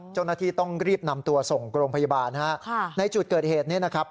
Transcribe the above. เจ้าหน้าที่ต้องรีบนำตัวส่งโรงพยาบาลฮะในจุดเกิดเหตุนี้นะครับ